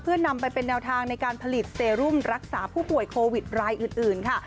เพื่อนำไปเป็นแนวทางในการผลิตเซรุมรักษาผู้ป่วยโควิดรายอื่นค่ะ